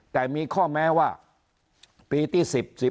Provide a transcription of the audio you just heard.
แต่มีข้อแม้ว่าปีที่๑๐๑๑